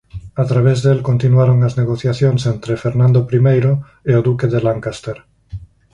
A través del continuaron as negociacións entre Fernando I e o Duque de Lancaster.